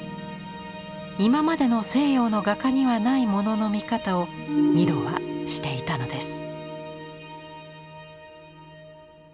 今までの西洋の画家にはないものの見方をミロはしていたのです。